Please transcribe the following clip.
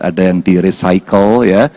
ada yang direcycle